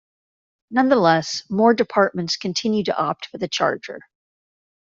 Nonetheless, more departments continue to opt for the Charger.